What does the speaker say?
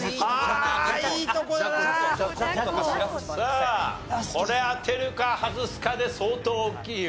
さあこれ当てるか外すかで相当大きいよ。